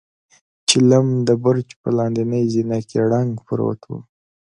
چيلم د برج په لاندنۍ زينه کې ړنګ پروت و.